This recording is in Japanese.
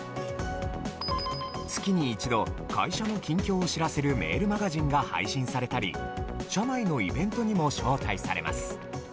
月に一度、会社の近況を知らせるメールマガジンが配布されたり社内のイベントにも招待されます。